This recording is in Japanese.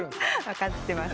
分かってます。